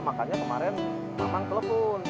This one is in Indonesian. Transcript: makanya kemarin mamang telepon